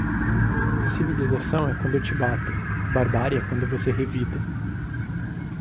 Civilização é quando eu te bato, barbárie é quando você revida